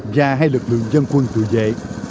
và hai lực lượng dân quân tự dệ